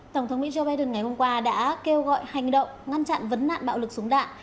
tổng thống mỹ joe biden ngày hôm qua đã kêu gọi hành động ngăn chặn vấn nạn bạo lực súng đạn